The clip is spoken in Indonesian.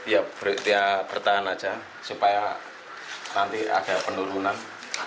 ya bertahan aja supaya nanti ada penurunan